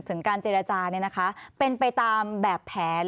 ถึงการเจรจาเป็นไปตามแบบแผน